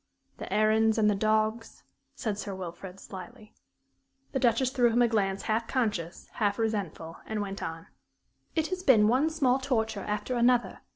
"The errands, and the dogs," said Sir William, slyly. The Duchess threw him a glance half conscious, half resentful, and went on: "It has been one small torture after another.